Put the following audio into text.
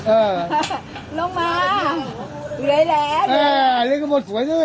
เออลงมาอีกแล้วอ่านี่ก็ไม่สวยด้วยนะ